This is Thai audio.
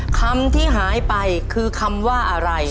คำที่หายไปคือคำว่าอะไร